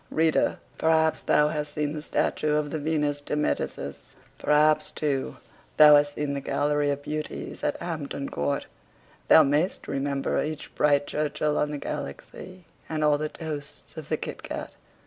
Reader, perhaps thou hast seen the statue of the Venus de Medicis. Perhaps, too, thou hast seen the gallery of beauties at Hampton Court. Thou may'st remember each bright Churchill of the galaxy, and all the toasts of the Kit cat.